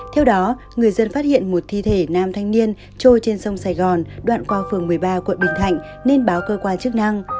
theo đó người dân phát hiện một thi thể nam thanh niên trôi trên sông sài gòn đoạn qua phường một mươi ba quận bình thạnh nên báo cơ quan chức năng